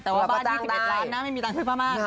แต่ว่าบ้าน๒๑ล้านนะไม่มีตังค์ซื้อผ้าม่าน